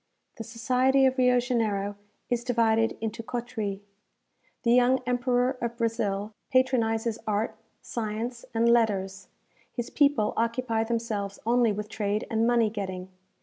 The society of Rio Janeiro is divided into coteries. The young Emperor of Brazil patronizes art, science, and letters; his people occupy themselves only with trade and money getting.